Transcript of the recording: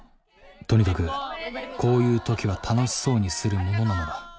とにかくこういうときは楽しそうにするものなのだ。